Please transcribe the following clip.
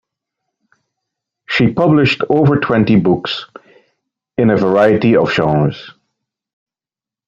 She published over twenty books, in a variety of genres.